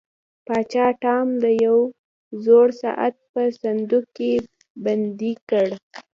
پاچا ټام د یو زوړ ساعت په صندوق کې بندي کړ.